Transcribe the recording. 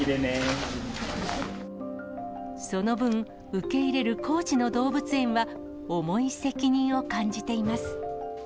その分、受け入れる高知の動物園は、重い責任を感じています。